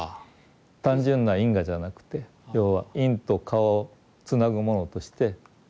単純な因果じゃなくて要は因と果をつなぐものとして縁があると。